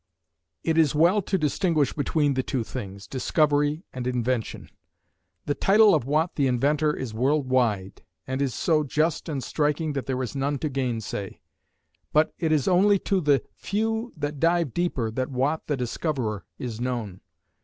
It is well to distinguish between the two things, Discovery and Invention. The title of Watt the Inventor is world wide, and is so just and striking that there is none to gainsay. But it is only to the few that dive deeper that Watt the Discoverer is known.